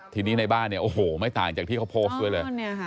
ทีนี้ในบ้านเนี่ยโอ้โหไม่ต่างจากที่เขาโพสต์ด้วยเลย